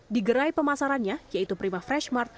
digerai pemasarannya yaitu prima freshmart